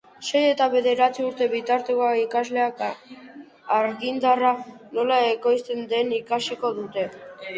Sei eta bederatzi urte bitarteko ikasleek argindarra nola ekoizten den ikasiko dute.